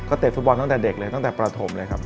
เตะฟุตบอลตั้งแต่เด็กเลยตั้งแต่ประถมเลยครับ